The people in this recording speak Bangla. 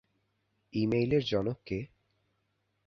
ই-মেইলের জনক কে?